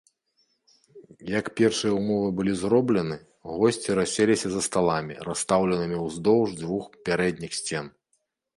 Як першыя ўмовы былі зроблены, госці расселіся за сталамі, расстаўленымі ўздоўж дзвюх пярэдніх сцен.